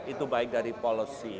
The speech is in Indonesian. itu baik dari policy